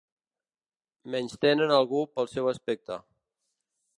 Menystenen algú pel seu aspecte.